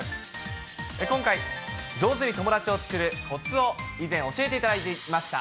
今回、上手に友達を作るこつを以前、教えていただきました。